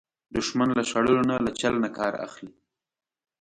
دښمن له شړلو نه، له چل نه کار اخلي